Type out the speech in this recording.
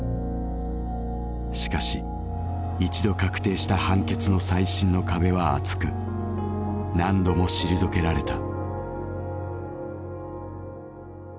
しかし一度確定した判決の再審の壁は厚く何度も退けられた。